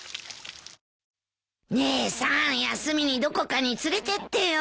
姉さん休みにどこかに連れてってよ。